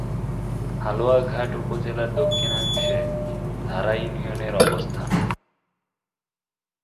হালুয়াঘাট উপজেলার দক্ষিণাংশে ধারা ইউনিয়নের অবস্থান।